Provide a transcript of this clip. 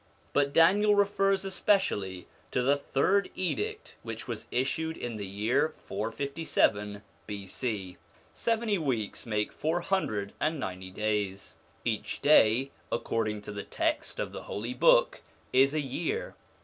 But Daniel refers especially to the third edict which was issued in the year 457 B.C. Seventy weeks make four hundred and ninety days. Each day, according to the text of the Holy Book, is a year.